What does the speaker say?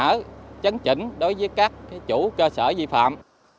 chúng tôi sẽ chấn chỉnh đối với các chủ cơ sở di phạm